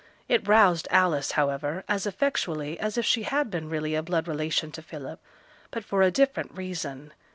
It roused Alice, however, as effectually as if she had been really a blood relation to Philip; but for a different reason.